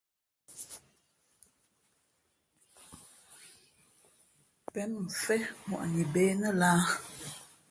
Pěn mʉnfén ŋwαʼni bê nά lāhā ?